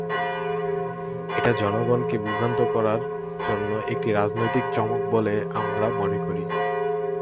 এটা জনগণকে বিভ্রান্ত করার জন্য একটি রাজনৈতিক চমক বলে আমরা মনে করি।